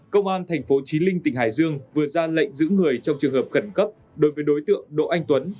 công an thành phố trí linh tỉnh hải dương vừa ra lệnh giữ người trong trường hợp khẩn cấp đối với đối tượng đỗ anh tuấn